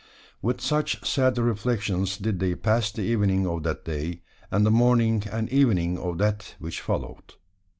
With such sad reflections did they pass the evening of that day, and the morning and evening of that which followed.